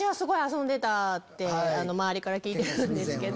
って周りから聞いてるんですけど。